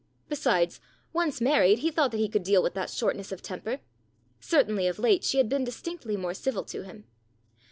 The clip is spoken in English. Besides, once married, he thought that he could deal with that shortness of temper. Certainly of late she had been distinctly more civil to him.